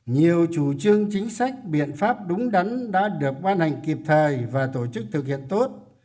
nhiều chủ trương chính sách biện pháp đúng đắn đã được ban hành kịp thời và tổ chức thực hiện tốt